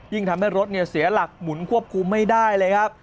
ทำให้รถเสียหลักหมุนควบคุมไม่ได้เลยครับ